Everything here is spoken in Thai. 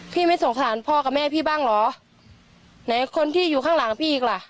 ไม่สงสารพ่อกับแม่พี่บ้างเหรอไหนคนที่อยู่ข้างหลังพี่อีกล่ะ